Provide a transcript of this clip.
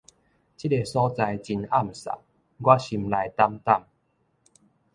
這个所在真暗毿，我心內膽膽